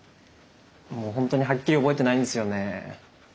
もう本当にはっきり覚えてないんですよね。